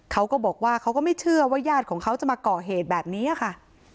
เขาก็บอกว่าเขาก็ไม่เชื่อว่าญาติของเขาจะมาก่อเหตุแบบนี้ค่ะ